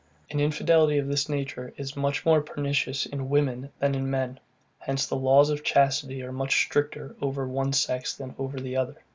An infidelity of this nature is much more PERNICIOUS in WOMEN than in MEN. Hence the laws of chastity are much stricter over the one sex than over the other.